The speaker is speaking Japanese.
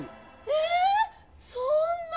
え⁉そんな！